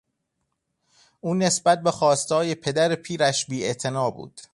او نسبت به خواستههای پدر پیرش بیاعتنا بود.